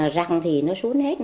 răng thì nó xuống hết